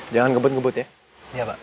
jangan ngebut ngebut ya